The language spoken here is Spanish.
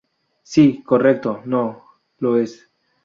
Sí, correcto. No, lo es.